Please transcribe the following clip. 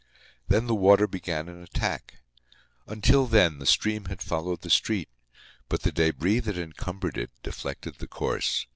Then the water began an attack. Until then the stream had followed the street; but the debris that encumbered it deflected the course.